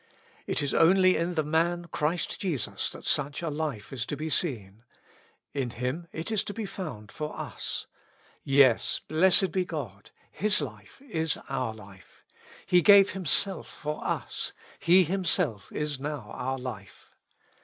It is only in the man Christ Jesus that such a life is to be seen : in Him it is to be found for us. Yes, blessed be God ! His life is our life ; He gave Himself io^ us ; He Him self is now our life.